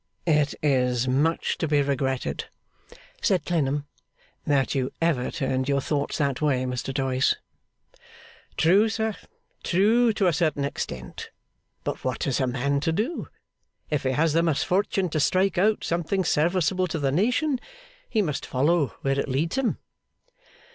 'It is much to be regretted,' said Clennam, 'that you ever turned your thoughts that way, Mr Doyce.' 'True, sir, true to a certain extent. But what is a man to do? if he has the misfortune to strike out something serviceable to the nation, he must follow where it leads him.